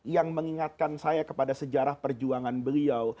yang mengingatkan saya kepada sejarah perjuangan beliau